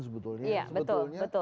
sebetulnya iya betul sebetulnya